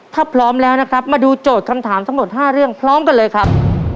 ถ้าพร้อมแล้วนะครับมาดูโจทย์คำถามทั้งหมด๕เรื่องพร้อมกันเลยครับ